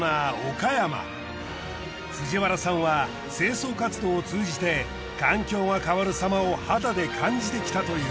藤原さんは清掃活動を通じて環境が変わるさまを肌で感じてきたという。